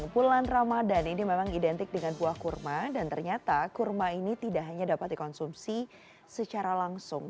bulan ramadan ini memang identik dengan buah kurma dan ternyata kurma ini tidak hanya dapat dikonsumsi secara langsung